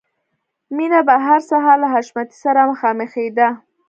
مینه به هر سهار له حشمتي سره مخامخېده